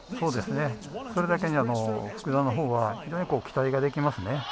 それだけに福田のほうは非常に期待ができますね。